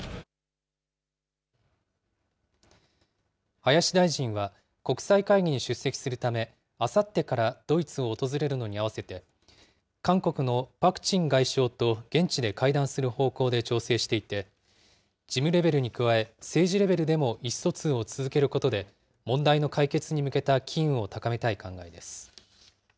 林大臣は、国際会議に出席するため、あさってからドイツを訪れるのに合わせて、韓国のパク・チン外相と現地で会談する方向で調整していて、事務レベルに加え、政治レベルでも意思疎通を続けることで、問題の解決に向けた機運を高めたい考えです。